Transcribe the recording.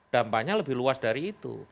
dampaknya lebih luas dari itu